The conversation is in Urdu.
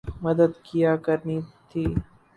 مدد کیا کرنی تھی۔